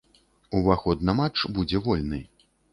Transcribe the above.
Уваход на матч будзе вольны.